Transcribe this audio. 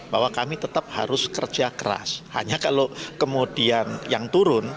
bahwa kami tetap harus kerja keras hanya kalau kemudian yang turun